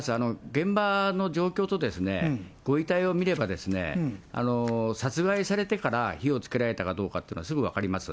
現場の状況とご遺体を見ればですね、殺害されてから火をつけられたかどうかっていうのはすぐ分かります。